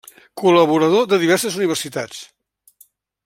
Col·laborador de diverses universitats.